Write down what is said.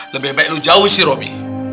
lebih baik lu jauhin si robby